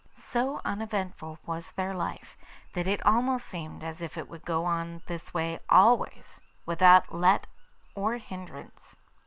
So uneventful was their life that it almost seemed as if it would go on in this way always, without let or hindrance.